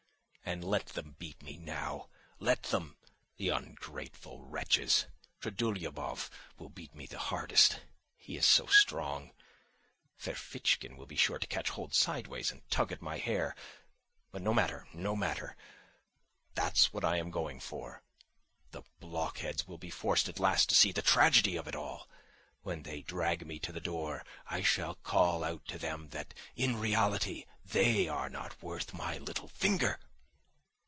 And let them beat me now. Let them, the ungrateful wretches! Trudolyubov will beat me hardest, he is so strong; Ferfitchkin will be sure to catch hold sideways and tug at my hair. But no matter, no matter! That's what I am going for. The blockheads will be forced at last to see the tragedy of it all! When they drag me to the door I shall call out to them that in reality they are not worth my little finger.